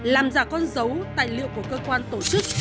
làm giả con dấu tài liệu của cơ quan tổ chức